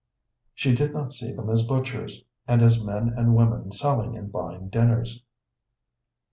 She did not see them as butchers, and as men and women selling and buying dinners.